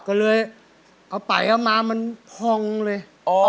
ก็เลยเอาไปเอามามันพองเลย